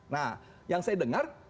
nah yang saya dengar